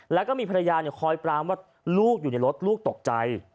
แล้วก็มีภรรยาคอยปรามว่าลูกอยู่ในรถลูกตกใจ